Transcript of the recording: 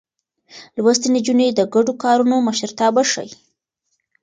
لوستې نجونې د ګډو کارونو مشرتابه ښيي.